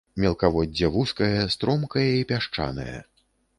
Мелкаводдзе вузкае, стромкае і пясчанае.